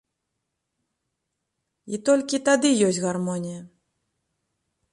І толькі тады ёсць гармонія!